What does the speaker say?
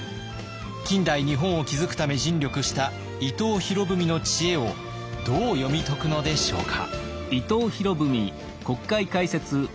近代日本を築くため尽力した伊藤博文の知恵をどう読み解くのでしょうか。